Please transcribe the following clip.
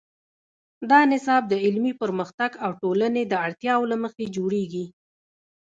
دا نصاب د علمي پرمختګ او ټولنې د اړتیاوو له مخې جوړیږي.